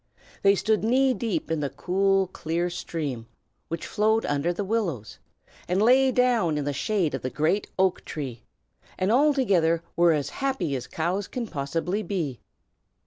They stood knee deep in the cool, clear stream which flowed under the willows, and lay down in the shade of the great oak tree, and altogether were as happy as cows can possibly be.